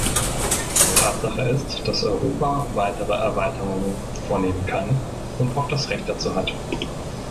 Tatsache ist, dass Europa weitere Erweiterungen vornehmen kann und auch das Recht dazu hat.